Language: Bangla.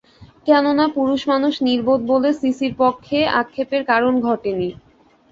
কেননা, পুরুষমানুষ নির্বোধ বলে সিসির পক্ষে আক্ষেপের কারণ ঘটে নি।